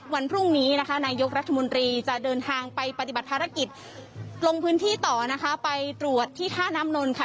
วันพรุ่งนี้นะคะนายกรัฐมนตรีจะเดินทางไปปฏิบัติภารกิจลงพื้นที่ต่อนะคะไปตรวจที่ท่าน้ำนนท์ค่ะ